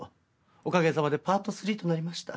おかげさまでパート３となりました。